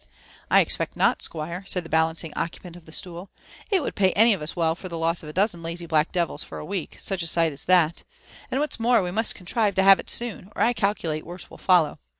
I expect nol» aquire/' said the balancing occupant of the stool :it would pay any of us well for the loss of a dozen lazy Uack devils for a week, such a sight as that ; and what's more, we must contrive to bave it soon, or I calculate worse will follow.